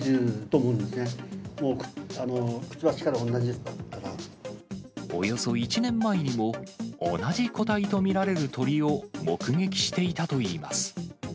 もう、およそ１年前にも、同じ個体と見られる鳥を目撃していたといいます。